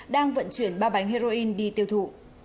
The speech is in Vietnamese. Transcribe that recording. đang vận chuyển ba bánh heroin đi tiêu thụ